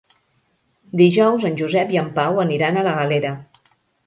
Dijous en Josep i en Pau aniran a la Galera.